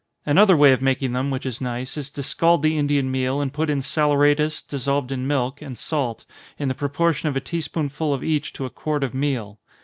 Another way of making them, which is nice, is to scald the Indian meal, and put in saleratus, dissolved in milk and salt, in the proportion of a tea spoonful of each to a quart of meal.